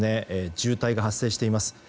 渋滞が発生しています。